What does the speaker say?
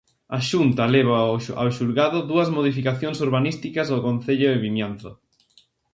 A Xunta leva ao xulgado dúas modificacións urbanísticas do Concello de Vimianzo.